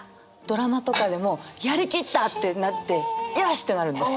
ドラマとかでもやり切った！ってなってよしってなるんです。